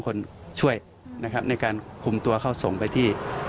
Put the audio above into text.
ก่อนหน้านี้